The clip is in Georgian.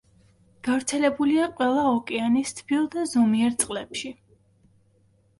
გავრცელებულია ყველა ოკეანის თბილ და ზომიერ წყლებში.